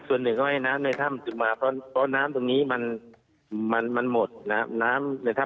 ค่ะแล้ววิธีการนี่คือจะพร่องน้ำออกจากหนองน้ำตรงนี้